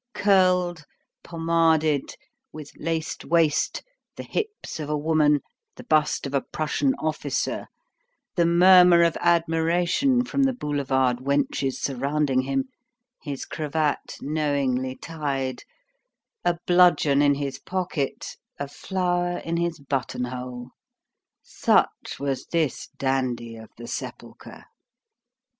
Curled, pomaded, with laced waist, the hips of a woman, the bust of a Prussian officer, the murmur of admiration from the boulevard wenches surrounding him, his cravat knowingly tied, a bludgeon in his pocket, a flower in his buttonhole; such was this dandy of the sepulchre.